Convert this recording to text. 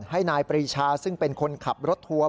ให้นายปรีชาซึ่งเป็นคนขับรถทัวร์